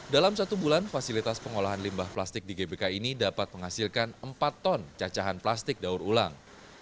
dalam satu bulan fasilitas pengolahan limbah plastik di gbk ini dapat menghasilkan empat ton cacahan plastik daur ulang